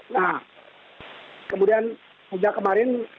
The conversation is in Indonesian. nah kemudian sejak kemarin